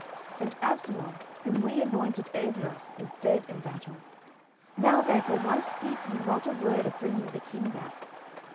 10:019:010 And Absalom, whom we anointed over us, is dead in battle. Now therefore why speak ye not a word of bringing the king back?